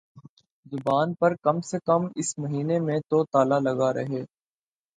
زبان پر کم سے کم اس مہینے میں تو تالا لگا رہے